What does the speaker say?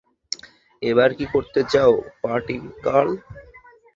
এবার কী করতে চাও, পার্টি গার্ল?